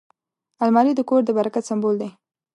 الماري د کور د برکت سمبول دی